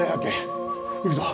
行くぞ！